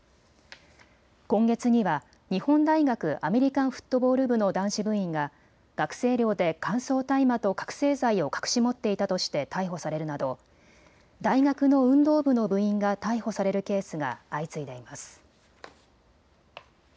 今月には日本大学アメリカンフットボール部の男子部員が学生寮で乾燥大麻と覚醒剤を隠し持っていたとして逮捕されるなど大学の運動部の部員が逮捕されるケースが相次いでいます。